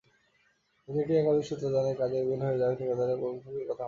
এলজিইডির একাধিক সূত্র জানায়, কাজের বিল হয়ে যাওয়ায় ঠিকাদারেরা প্রকৌশলীদের কথা মানছেন না।